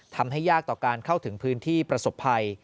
ยากต่อการเข้าถึงพื้นที่ประสบภัย